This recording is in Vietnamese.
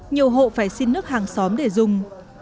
nhiều hộ phải xin nước hàng xóm để dùng